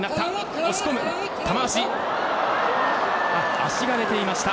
足が出ていました。